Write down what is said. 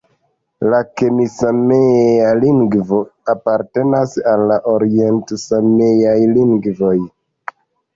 La kemi-samea lingvo apartenis al la orient-sameaj lingvoj.